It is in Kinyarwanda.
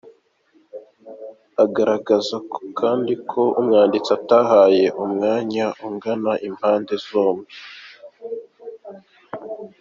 Agaragaza kandi ko umwanditsi atahaye umwanya ungana impande zombi.